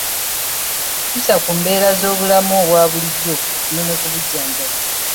Kyusa Ku mbeera z'obulamu obwa bulijjo ofune ne ku bujjanjabi